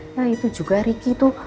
nah itu juga ricky itu